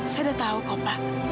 saya udah tahu kok pak